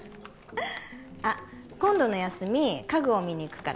あっ今度の休み家具を見にいくから